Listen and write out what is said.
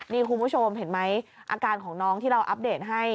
นี่คุณผู้ชมเห็นไหมอาการของน้องที่เราอัปเดตให้